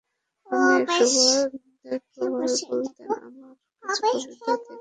অনেক শুভানুধ্যায়ী প্রায় বলতেন আমার কিছু কবিতা থেকে গান করার জন্য।